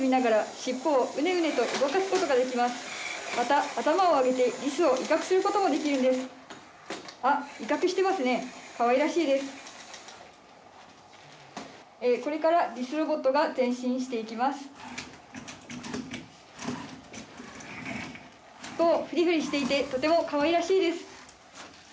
尻尾をふりふりしていてとてもかわいらしいです。